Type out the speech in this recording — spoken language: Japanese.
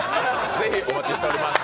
ぜひお待ちしております。